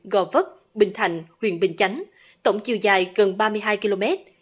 gò vất bình thành huyện bình chánh tổng chiều dài gần ba mươi hai km